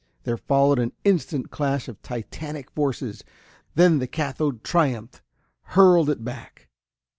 There followed an instant's clash of titanic forces. Then the cathode triumphed, hurled it back.